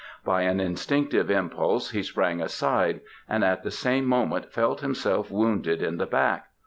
By an instinctive impulse, he sprang aside, and at the same moment felt himself wounded in the back.